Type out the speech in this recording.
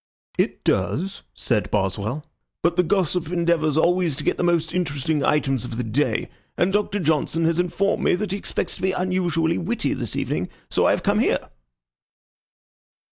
"It does," said Boswell; "but the Gossip endeavors always to get the most interesting items of the day, and Doctor Johnson has informed me that he expects to be unusually witty this evening, so I have come here."